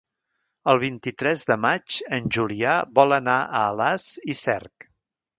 El vint-i-tres de maig en Julià vol anar a Alàs i Cerc.